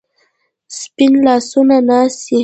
سپین لاسونه ناڅي